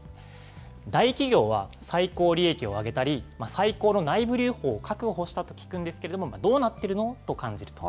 大企業は最高利益を上げたり、最高の内部留保を確保したと聞くんですけども、どうなっているの？と感じると。